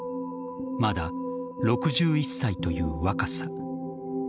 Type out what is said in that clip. まだ６１歳という若さ。